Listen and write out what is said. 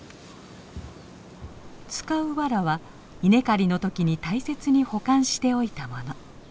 使うわらは稲刈りの時に大切に保管しておいたもの。